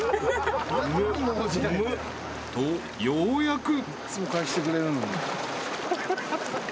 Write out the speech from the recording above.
［とようやく］